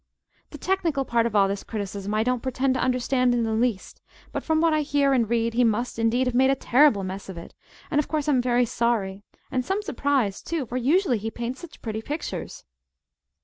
"The technical part of all this criticism I don't pretend to understand in the least; but from what I hear and read, he must, indeed, have made a terrible mess of it, and of course I'm very sorry and some surprised, too, for usually he paints such pretty pictures!